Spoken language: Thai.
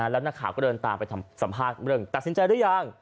แล้วนักข่าวก็เดินตามไปสัมภาษณ์เรื่องตัดสินใจหรือยัง